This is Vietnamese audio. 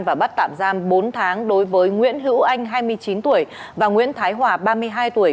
và bắt tạm giam bốn tháng đối với nguyễn hữu anh hai mươi chín tuổi và nguyễn thái hòa ba mươi hai tuổi